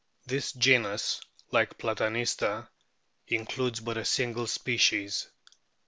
This genus, like Platanista, includes but a single species.